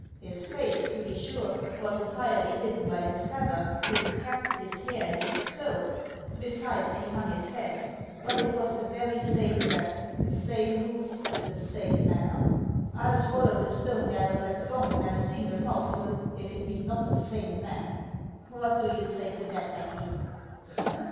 His face, to be sure, was entirely hidden by his feather, his cap, his hair, and his cloak ; be sides, he hung his head. But it was the very same dress, the same boots, the same manner. I '11 swallow the stone gallows at Skongen at a single mouthful if it be not the same man ! What do you say to that, Becky